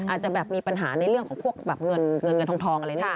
อาจจะแบบมีปัญหาในเรื่องของพวกแบบเงินเงินทองอะไรนี่